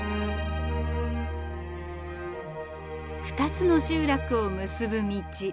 ２つの集落を結ぶ道。